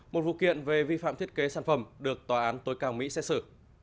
một vụ kiện về vi phạm thiết kế sản phẩm được tòa án tối cao mỹ xét xử